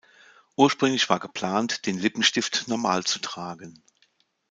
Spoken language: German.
Ursprünglich war geplant, den Lippenstift normal zu tragen.